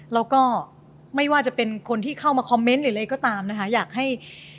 แล้วก็ไม่ว่าจะเป็นคนที่เข้ามาคอมเมนต์หรืออะไรก็ตามนะคะอยากให้